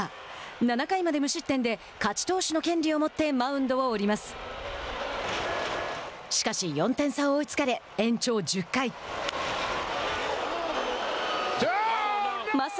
７回まで無失点で勝ち投手の権利を持ってマウンドを降ります。